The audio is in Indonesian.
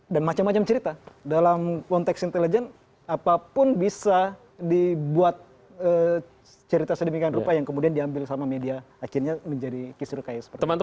dan macam macam cerita dalam konteks intelijen apapun bisa dibuat cerita sedemikian rupa yang kemudian diambil sama media akhirnya menjadi kisah rukai seperti itu